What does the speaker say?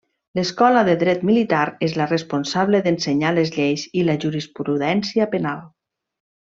L'Escola de dret militar, és la responsable d'ensenyar les lleis i la jurisprudència penal.